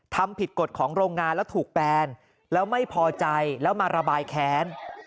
ทำผิดกฎของโรงงานแล้วถูกแฟนแล้วไม่พอใจแล้วมาระบายแค้น